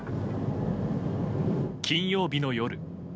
金曜日の夜。